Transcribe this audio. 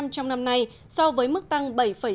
trong năm nay so với mức tăng bảy sáu